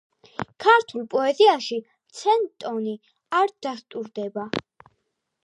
ქართულ პოეზიაში ცენტონი არ დასტურდება.